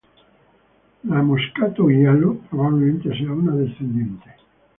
La moscato giallo probablemente sea una descendiente.